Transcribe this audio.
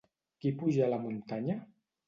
Qui puja la muntanya?